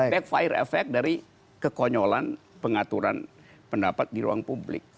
backfire effect dari kekonyolan pengaturan pendapat di ruang publik